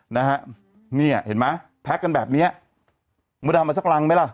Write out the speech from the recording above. นี่เห็นไหมแพ็คกันแบบนี้บรรดามาสักลังไหมล่ะ